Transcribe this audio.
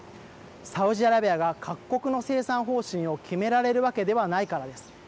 サウジアラビアが各国の生産方針を決められるわけではないからです。